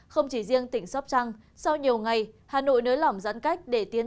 không chỉ riêng tỉnh sop trang sau nhiều ngày hà nội nới lỏng giãn cách để tiến